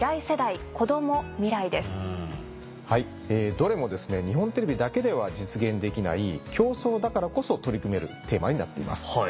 どれも日本テレビだけでは実現できない共創だからこそ取り組めるテーマになっています。